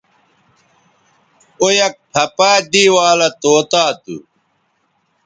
او یک پَھہ پہ دے والہ طوطا تھو